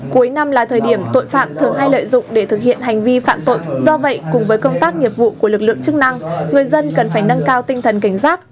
cuối năm là thời điểm tội phạm thường hay lợi dụng để thực hiện hành vi phạm tội do vậy cùng với công tác nghiệp vụ của lực lượng chức năng người dân cần phải nâng cao tinh thần cảnh giác